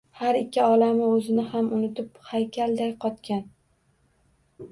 Har ikki olamu oʼzini ham unutib haykalday qotgan